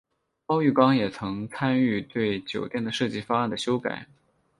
包玉刚也曾参与对酒店的设计方案的修改。